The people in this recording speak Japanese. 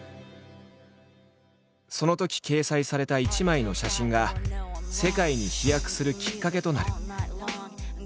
そのとき掲載された一枚の写真が世界に飛躍するきっかけとなる。